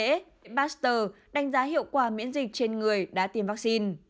và các viện bác sơ đánh giá hiệu quả miễn dịch trên người đã tiêm vắc xin